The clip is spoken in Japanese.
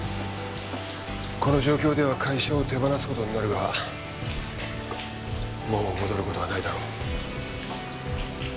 この状況では会社を手放す事になるがもう戻る事はないだろう。